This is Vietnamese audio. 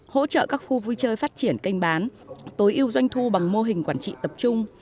hỗ trợ các khu vui chơi phát triển kênh bán tối ưu doanh thu bằng mô hình quản trị tập trung